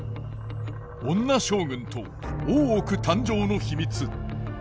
女将軍と大奥誕生の秘密。